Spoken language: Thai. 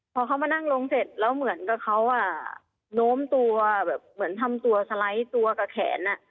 พอเขามานั่งลงเสร็จแล้วเหมือนกับเขาโน้มตัวแบบเหมือนทำตัวสไลด์ตัวกับแขน